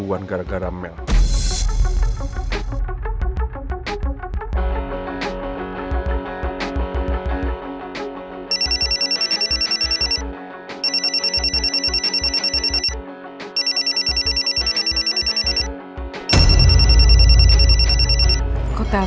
perasaanku sekarang juga lagi gak karam